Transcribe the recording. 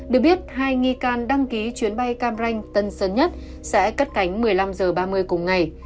được biết hai nghi can đăng ký chuyến bay cam ranh tân sơn nhất sẽ cất cánh một mươi năm h ba mươi cùng ngày